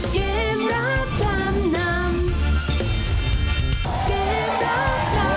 เกมรับทางนำ